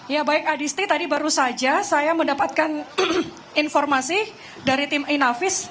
ya baik adisti tadi baru saja saya mendapatkan informasi dari tim inavis